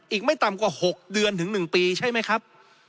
อีกไม่ต่ำกว่า๖เดือนถึง๑ปีใช่ไหมครับ